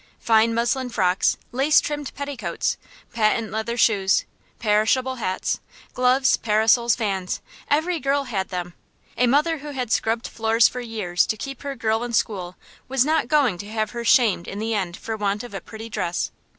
Fine muslin frocks, lace trimmed petticoats, patent leather shoes, perishable hats, gloves, parasols, fans every girl had them. A mother who had scrubbed floors for years to keep her girl in school was not going to have her shamed in the end for want of a pretty dress.